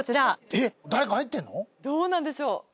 えっ！どうなんでしょう。